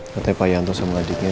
katanya pak yanto sama adiknya